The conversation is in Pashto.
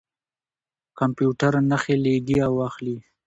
کمپیوټر نښې لېږي او اخلي.